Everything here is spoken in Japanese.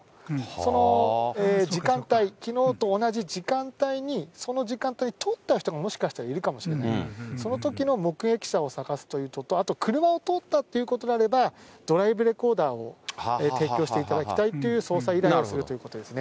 その時間帯、きのうと同じ時間帯に、その時間帯に通った人がもしかしたらいるかもしれない、そのときの目撃者を探すということと、あと車が通ったということであれば、ドライブレコーダーを提供していただきたいという捜査依頼をするということですね。